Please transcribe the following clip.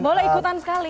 boleh ikutan sekali